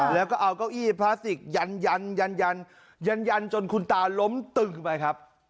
แล้วก็เอาเก้าอี้พลาสติกยันยันยันจนคุณตาล้มตึงไปครับ